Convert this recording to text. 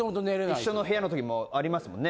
一緒の部屋の時もありますもんね。